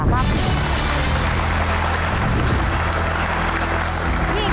ครับครับ